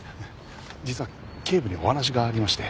実は警部にお話がありまして。